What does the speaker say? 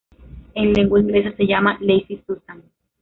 En lengua inglesa, se llama "Lazy Susan".